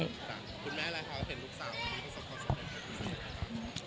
คุณแม่อะไรคะเพราะว่าเห็นลูกสาวมีได้ทรมานเลยหรือยัง